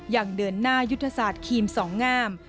ยังเดินหน้ายุทธศาสตร์ครีมสองงาม